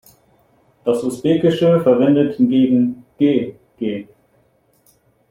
Das Usbekische verwendet hingegen Gʻ gʻ.